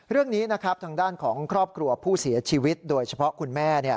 เรื่องนี้นะครับทางด้านของครอบครัวผู้เสียชีวิตโดยเฉพาะคุณแม่